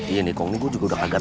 iya nih kok ini gue juga udah kaget